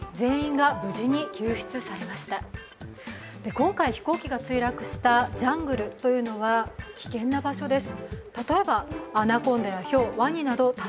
今回、飛行機が墜落したジャングルというのは危険な場所です。